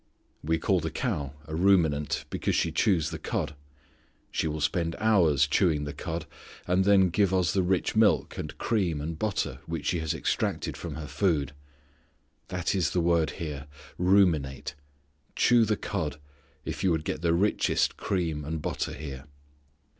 We call the cow a ruminant because she chews the cud. She will spend hours chewing the cud, and then give us the rich milk and cream and butter which she has extracted from her food. That is the word here ruminate. Chew the cud, if you would get the richest cream and butter here.